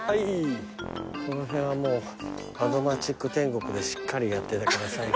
この辺はもう『アド街ック天国』でしっかりやってたから最近。